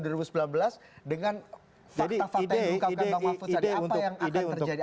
dengan fakta fakta yang diungkapkan pak mahfuz tadi